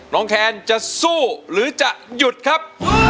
แคนจะสู้หรือจะหยุดครับ